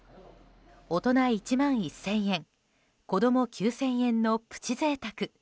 大人１万１０００円子供９０００円のプチ贅沢。